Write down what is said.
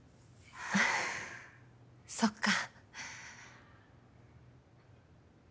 そっか。